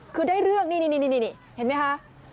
คือได้เรื่องนี่เห็นไหมคะ